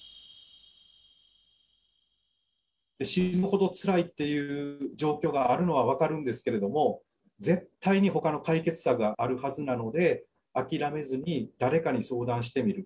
死ぬほどつらいっていう状況があるのは分かるんですけれども、絶対にほかの解決策があるはずなので、諦めずに、誰かに相談してみる。